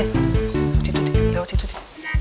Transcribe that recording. lewat situ di lewat situ di